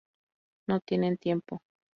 No tienen tiempo.